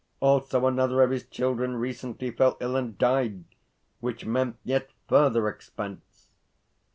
Also, another of his children recently fell ill and died which meant yet further expense.